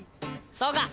そうか！